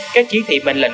các chí thị bệnh lệnh